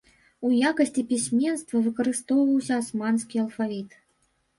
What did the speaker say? У якасці пісьменства выкарыстоўваўся асманскі алфавіт.